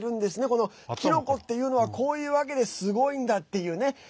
この、キノコっていうのはこういうわけですごいんだっていうね。